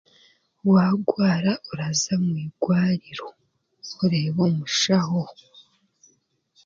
Waagwara oraza mwirwariro kureeba omushaho.